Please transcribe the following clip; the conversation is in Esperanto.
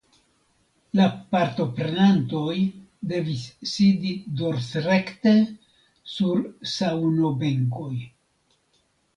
La partoprenantoj devis sidi dorsrekte sur saŭnobenkoj.